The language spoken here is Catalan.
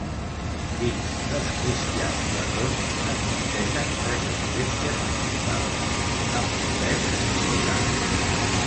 Dins dels cristians letons existeixen tres esglésies principals, amb un pes similar.